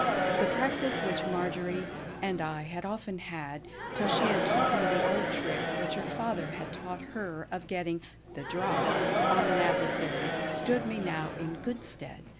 The practice which Marjory and I had often had, till she had taught me the old trick which her father had taught her of getting "the drop" on an adversary, stood me now in good stead.